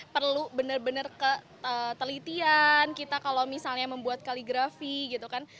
perlu bener bener ke telitian kita kalau misalnya membuat kaligrafi gitu kan